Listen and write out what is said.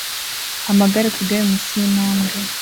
Amagare ku igare munsi yintambwe